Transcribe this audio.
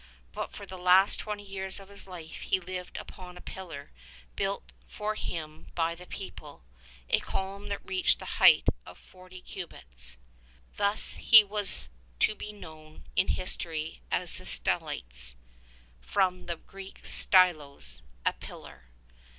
But for the last twenty years of his life he lived upon a pillar built for him by the people — a column that reached the height of forty cubits Thus he was to be known in history as the Stylites, from the Greek stylos, a pillar.